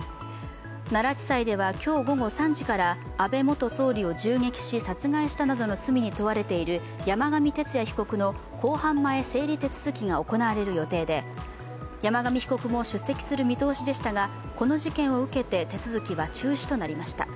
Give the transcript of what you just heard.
奈良地裁では今日午後３時から安倍元総理を銃撃し殺害したなどの罪に問われている山上徹也被告の公判前整理手続が行われる予定で山上被告も出席する見通しでしたがこの事件を受けて、手続きは中止となりました。